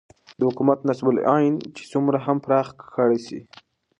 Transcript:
دحكومت نصب العين چې څومره هم پراخ كړى سي